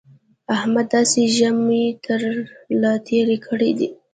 احمد داسې ژامې تر له تېرې کړې دي